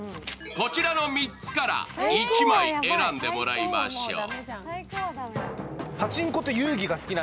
こちらの３つから１枚選んでもらいましょう。